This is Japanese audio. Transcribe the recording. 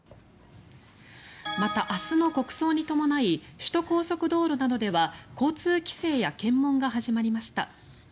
また、明日の国葬に伴い首都高速道路などでは交通規制や検問が始まりました。